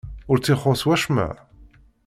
Ur tt-ixuṣṣ wacemma?